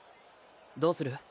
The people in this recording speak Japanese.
どうする？